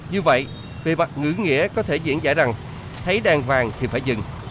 như vậy về mặt ngữ nghĩa có thể diễn giải rằng thấy đàn vàng thì phải dừng